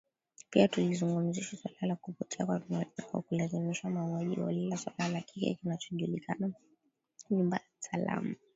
Pia tulizungumzia suala la kupotea kwa kulazimishwa, mauaji holela, suala la kile kinachojulikana kama “nyumba salama".